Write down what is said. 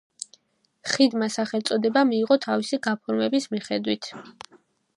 ხიდმა სახელწოდება მიიღო თავისი გაფორმების მიხედვით.